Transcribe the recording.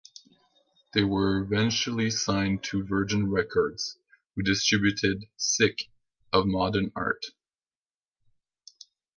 They were eventually signed to Virgin Records, who distributed "Sick of Modern Art".